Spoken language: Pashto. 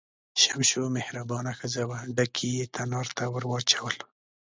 شمشو مهربانه ښځه وه، ډکي یې تنار ته ور واچول.